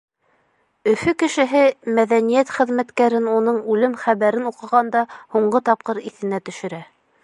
Өфө кешеһе мәҙәниәт хеҙмәткәрен уның үлем хәбәрен уҡығанда һуңғы тапҡыр иҫенә төшөрә.